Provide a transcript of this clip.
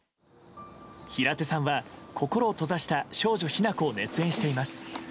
平手さんは心を閉ざした少女ヒナコを熱演しています。